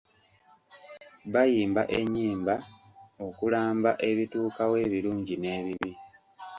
Bayimba ennyimba okulamba ebituukawo ebirungi n'ebibi.